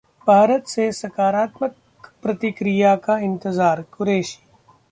भारत से सकारात्मक प्रतिक्रिया का इंतजार: कुरैशी